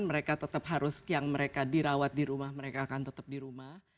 mereka tetap harus yang mereka dirawat di rumah mereka akan tetap di rumah